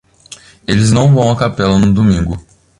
Eles não vão à capela no domingo.